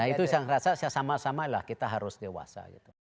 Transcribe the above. nah itu yang saya rasa sama sama kita harus dewasa